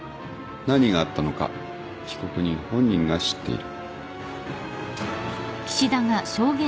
何があったのか被告人本人が知っている。